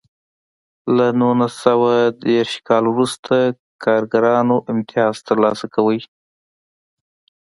له نولس سوه دېرش کال وروسته کارګرانو امتیاز ترلاسه کوی.